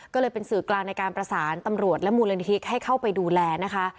ก็เลยเป็นสื่อกลางในการประสานตำรวจและมูลนิธิให้เข้าไปดูแลนะคะ